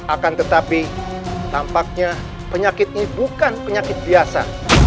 akan tetapi tampaknya penyakit ini bukan penyakit biasa